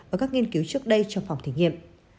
ở các nghiên cứu trước đây trong phòng thử nghiệm